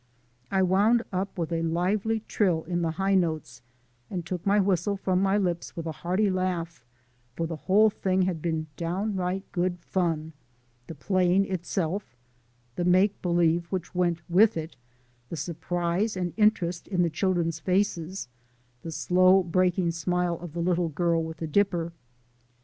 I wound up with a lively trill in the high notes and took my whistle from my lips with a hearty laugh, for the whole thing had been downright good fun, the playing itself, the make believe which went with it, the surprise and interest in the children's faces, the slow breaking smile of the little girl with the dipper.